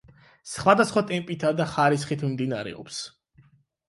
სხვადასხვა ტემპითა და ხარისხით მიმდინარეობს.